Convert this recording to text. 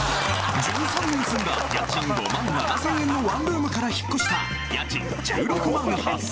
１３年住んだ家賃５万７０００円のワンルームから引っ越した家賃１６万８０００円